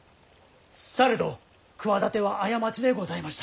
されど企ては過ちでございました。